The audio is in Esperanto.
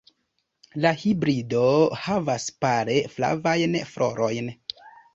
La hibrido havas pale flavajn florojn.